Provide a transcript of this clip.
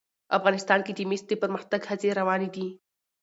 افغانستان کې د مس د پرمختګ هڅې روانې دي.